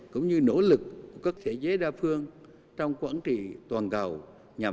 cũng như nỗ lực của các thế giới đa phương trong quản trị toàn cầu nhằm